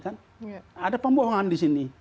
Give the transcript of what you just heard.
ada pembohongan di sini